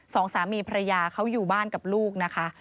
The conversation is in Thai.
สองสามีภรรยาเขาอยู่บ้านกับลูกนะคะ